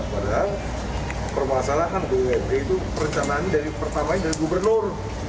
padahal permasalahan di prd itu perencanaan dari pertamanya dari gubernur